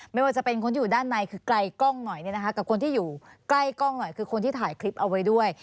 ไม่ว่าจะเป็นคนที่อยู่ด้านในคือไกลกล้องหน่อยกับคนที่อยู่ใกล้กล้องหน่อยคือคนที่ถ่ายคลิปเอาไว้ด้วย